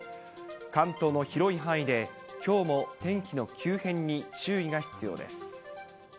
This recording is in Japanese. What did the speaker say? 関東の広い範囲で、きょうも天気の急変に注意が必要です。